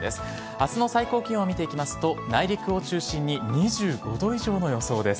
あすの最高気温を見ていきますと、内陸を中心に２５度以上の予想です。